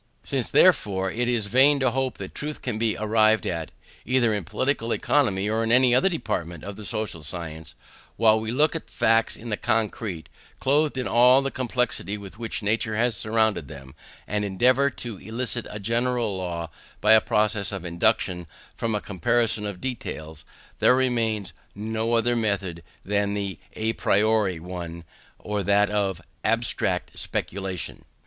Since, therefore, it is vain to hope that truth can be arrived at, either in Political Economy or in any other department of the social science, while we look at the facts in the concrete, clothed in all the complexity with which nature has surrounded them, and endeavour to elicit a general law by a process of induction from a comparison of details; there remains no other method than the à priori one, or that of "abstract speculation."